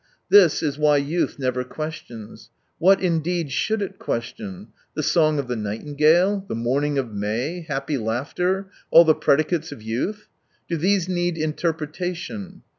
This is why youth never questions. What indeed should it question : the song of the night ingale, the morning of May, happy laughter, all the predicates of youth ? Do these need interpretation